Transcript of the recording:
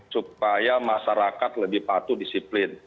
supaya masyarakat lebih patuh disiplin